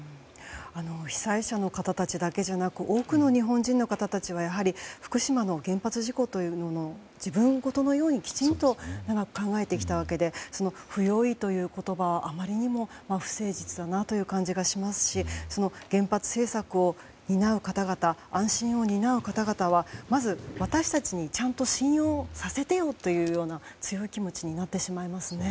被災者の方たちだけじゃなく多くの日本人の方たちはやはり福島の原発事故を自分ごとのようにきちんと長く考えてきたわけで不用意という言葉はあまりにも不誠実だなという感じがしますしその原発政策を担う方々安心を担う方々はまず、私たちにちゃんと信用させてよという強い気持ちになってしまいますね。